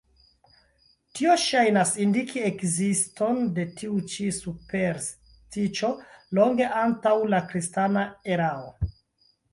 Tio ŝajnas indiki ekziston de tiu ĉi superstiĉo longe antaŭ la kristana erao.